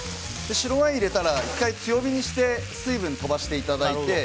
白ワイン入れたら１回強火にして水分を飛ばしていただいて。